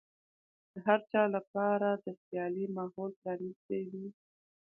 د هر چا لپاره د سيالۍ ماحول پرانيستی وي.